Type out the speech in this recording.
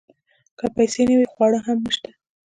که پیسې نه وي خواړه هم نشته .